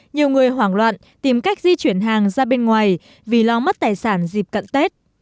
nhiều người hoảng loạn tìm cách di chuyển hàng ra bên ngoài vì lo mất tài sản dịp cận tết